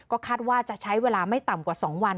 คาดว่าจะใช้เวลาไม่ต่ำกว่า๒วัน